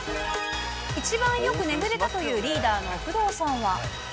一番よく眠れたというリーダーの工藤さんは。